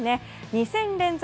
２戦連続。